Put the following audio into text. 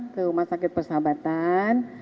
ke rumah sakit persahabatan